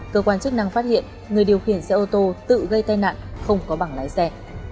cơ quan chức năng phát hiện người điều khiển xe ô tô tự gây tai nạn không có bảng lái xe